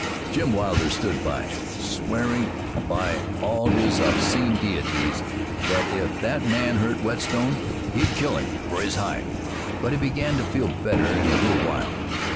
Jim Wilder stood by, swearing by all his obscene deities that if that man hurt Whetstone, he'd kill him for his hide. But he began to feel better in a little while.